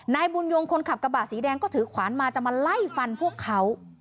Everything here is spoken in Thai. นายบุญยงคนขับกระบะสีแดงก็ถือขวานมาจะมาไล่ฟันพวกเขา